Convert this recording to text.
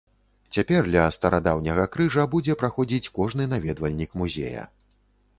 Цяпер ля старадаўняга крыжа будзе праходзіць кожны наведвальнік музея.